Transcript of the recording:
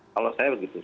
kalau saya begitu